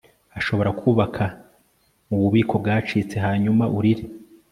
Ashobora kubaka mububiko bwacitse hanyuma urire